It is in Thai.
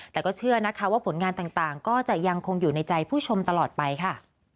แต่ก็เชื่อนะคะว่าผลงานต่างก็จะยังคงอยู่ในใจผู้ชมตลอดไปค่ะ